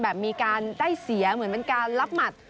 มีการได้เสียเหมือนเป็นการรับหมัด